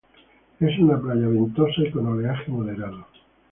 Es una playa ventosa y con oleaje moderado.